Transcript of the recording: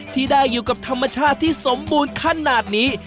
ที่ได้อยู่กับธรรมชาติที่สมบูรณ์ขนาดนี้